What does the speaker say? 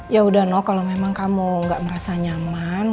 ya udah nok kalau memang kamu gak merasa nyaman